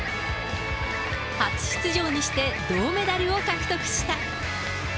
初出場にして、銅メダルを獲得した。